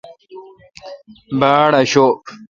باڑاشوب۔